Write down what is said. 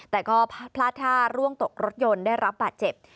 แต่ก็พลาดท่าร่วงตกรถยนต์ได้รับบาดเจ็บ